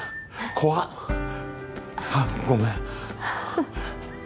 怖っあっごめんフフッ